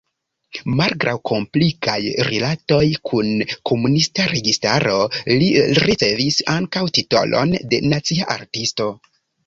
Malgraŭ komplikaj rilatoj kun komunista registaro li ricevis ankaŭ titolon de Nacia artisto.